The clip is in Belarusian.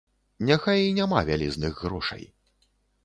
Няхай і няма вялізных грошай.